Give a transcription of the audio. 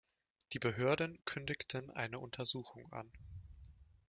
Die Behörden kündigten eine Untersuchung an.